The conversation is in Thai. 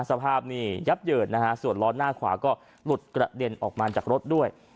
สภาพนี่ยับเยินนะฮะส่วนล้อหน้าขวาก็หลุดกระเด็นออกมาจากรถด้วย